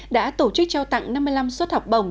đã tổ chức trao tặng năm mươi năm suất học bổng